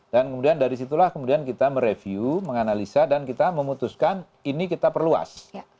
dan kemudian dari situlah kemudian kita mereview menganalisa dan kita memutuskan ini kita perluas